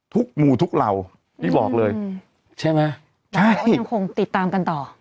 หมู่ทุกเหล่านี่บอกเลยใช่ไหมใช่ยังคงติดตามกันต่อ